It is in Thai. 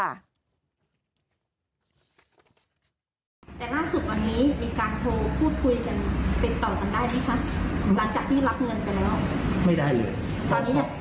แต่น่าสุดวันนี้มีการโทรพูดคุยกันติดต่อกันได้ไหมคะ